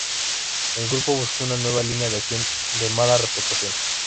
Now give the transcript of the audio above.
El grupo buscó una nueva línea de acción de mala reputación.